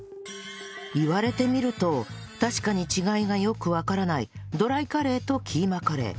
言われてみると確かに違いがよくわからないドライカレーとキーマカレー